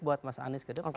buat mas anies ke depan